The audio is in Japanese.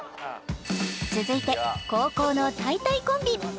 続いて後攻のたいたいコンビ